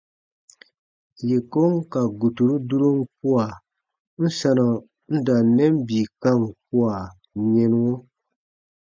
Yè kon ka guturu durom kua, n sanɔ n da n nɛn bii kam kua yɛnuɔ.